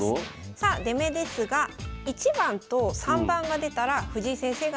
さあ出目ですが１番と３番が出たら藤井先生が１手指します。